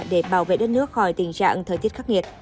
để bảo vệ đất nước khỏi tình trạng thời tiết khắc nghiệt